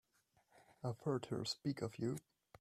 I've heard her speak of you.